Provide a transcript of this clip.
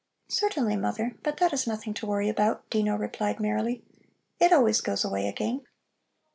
"Certainly, mother. But that is nothing to worry about," Dino replied merrily. "It always goes away again.